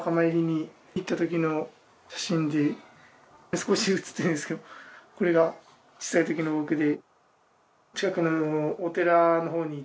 少し写ってるんですけどこれが小さいときの僕で。